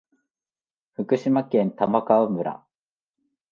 福島県玉川村